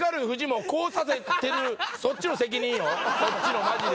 そっちのマジで。